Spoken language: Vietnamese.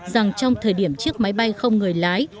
rằng trong thời điểm chiếc máy bay không người lái